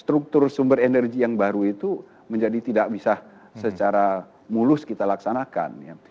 struktur sumber energi yang baru itu menjadi tidak bisa secara mulus kita laksanakan